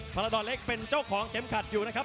ราดอนเล็กเป็นเจ้าของเข็มขัดอยู่นะครับ